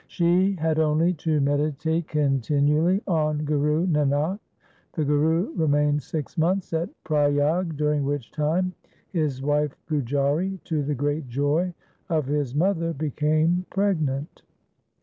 She had only to meditate continually on Guru Nanak. The Guru remained six months at Priyag, during which time his wife Gujari, to the great joy of his mother, became pregnant.